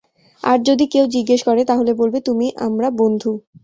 আর যদি কেউ জিজ্ঞেস করে তাহলে বলবে তুমি আমরা বন্ধু।